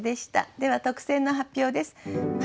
では特選の発表です。